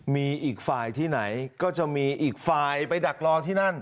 มีอีกฝ่ายที่ไหนก็จะมีอีกฝ่ายไปดักรอที่นั่น